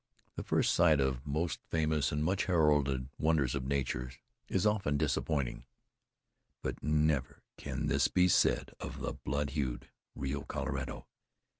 The first sight of most famous and much heralded wonders of nature is often disappointing; but never can this be said of the blood hued Rio Colorado.